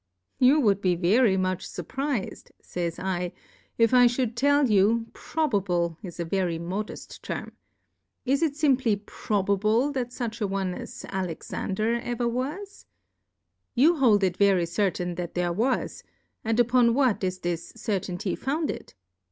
You would be very much furpriz'd, fajs 7, if I fhould tell you, frolahle is y a very modeft Term. Is it fimply pro 1 I bable 170 Difcourfes on the bable that fuch a one as Alexander ever was? You hold it very certain that there was, and upon what is this Cer tainty founded